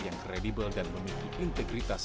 yang kredibel dan memiliki integritas